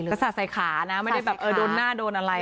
ก็สาดใส่ขานะไม่ได้แบบเออโดนหน้าโดนอะไร